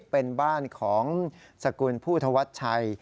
เป็นบ้านของสกุลผู้ธวัชชัย